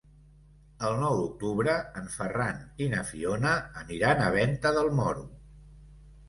El nou d'octubre en Ferran i na Fiona aniran a Venta del Moro.